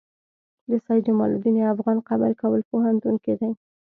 د سيد جمال الدين افغان قبر کابل پوهنتون کی دی